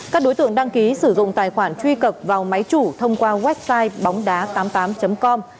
các đối tượng đăng ký sử dụng tài khoản truy cập vào máy chủ thông qua website bóng đá tám mươi tám com